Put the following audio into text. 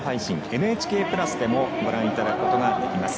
ＮＨＫプラスでもご覧いただくことができます。